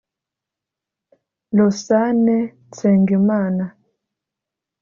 Lausanne Nsengimana